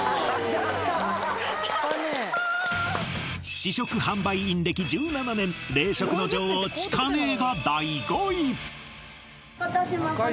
試食販売員歴１７年冷食の女王ちかねえが第５位